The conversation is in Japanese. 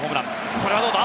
これはどうだ？